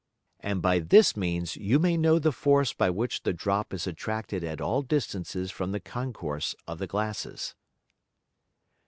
And by this means you may know the Force by which the Drop is attracted at all distances from the Concourse of the Glasses.